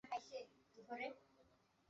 তিনি একাধিক অঙ্কনশৈলী রপ্ত করেছিলেন।